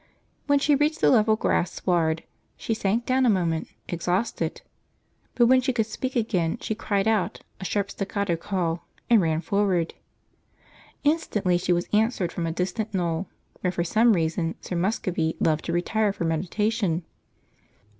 When she reached the level grass sward she sank down a moment, exhausted; but when she could speak again she cried out, a sharp staccato call, and ran forward. Instantly she was answered from a distant knoll, where for some reason Sir Muscovy loved to retire for meditation.